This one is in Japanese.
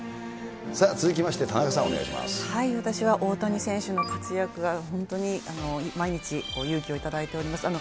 さあ、続きまして、田中さん、私は大谷選手の活躍が、本当に毎日、勇気を頂いております。